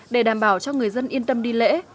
để đảm bảo cho người dân yên tâm đi lễ